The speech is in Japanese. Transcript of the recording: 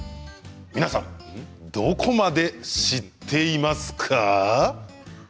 皆さんどこまで知っていますか。